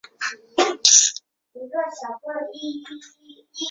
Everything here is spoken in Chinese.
鳞轴短肠蕨为蹄盖蕨科短肠蕨属下的一个种。